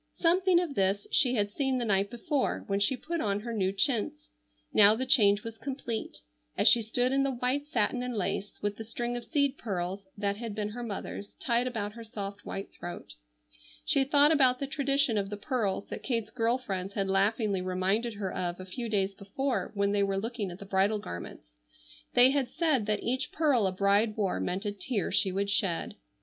Something of this she had seen the night before when she put on her new chintz; now the change was complete, as she stood in the white satin and lace with the string of seed pearls that had been her mother's tied about her soft white throat. She thought about the tradition of the pearls that Kate's girl friends had laughingly reminded her of a few days before when they were looking at the bridal garments. They had said that each pearl a bride wore meant a tear she would shed.